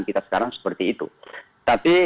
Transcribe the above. kita sekarang seperti itu tapi